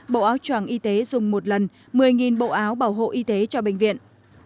bộ áo tràng y tế dùng một lần một mươi bộ áo bảo hộ y tế cho bệnh viện